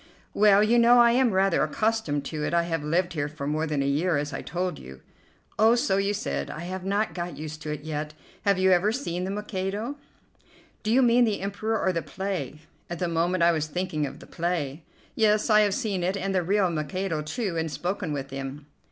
"Well, you know, I am rather accustomed to it. I have lived here for more than a year, as I told you." "Oh, so you said. I have not got used to it yet. Have you ever seen 'The Mikado?'" "Do you mean the Emperor or the play?" "At the moment I was thinking of the play." "Yes, I have seen it, and the real Mikado, too, and spoken with him."